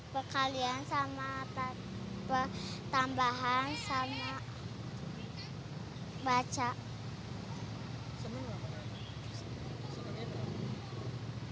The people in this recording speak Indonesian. pekalian sama tambahan sama baca